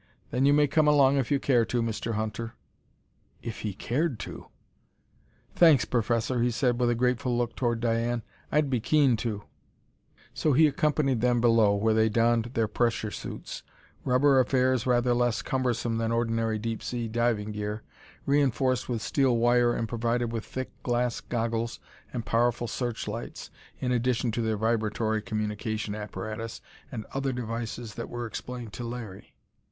"Then you may come along if you care to, Mr. Hunter." If he cared to! "Thanks, Professor!" he said with a grateful look toward Diane. "I'd be keen to!" So he accompanied them below, where they donned their pressure suits rubber affairs rather less cumbersome than ordinary deep sea diving gear, reinforced with steel wire and provided with thick glass goggles and powerful searchlights, in addition to their vibratory communication apparatus and other devices that were explained to Larry.